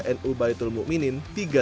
dan ubaidul mu'minin tiga satu